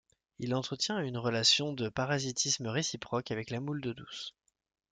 Il entretient une relation de parasitisme réciproque avec la moule d'eau douce.